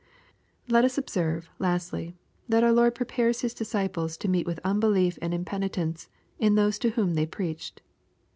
Let us observe, lastly, that our Lord prepares His ^ disciples to meet with unbelief and impenitence in those io whom they preached.